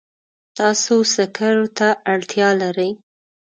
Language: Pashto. تاسو سکرو ته اړتیا لرئ.